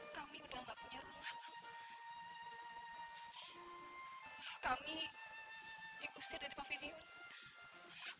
kami udah nggak punya rumah kami diusir dari pavilion